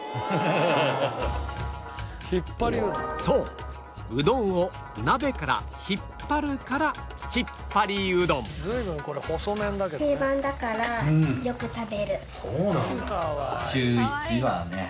そう「うどんを鍋から引っ張る」からひっぱりうどんそうなんだ。